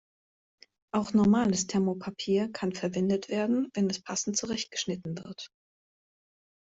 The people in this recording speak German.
Auch normales Thermopapier kann verwendet werden, wenn es passend zurechtgeschnitten wird.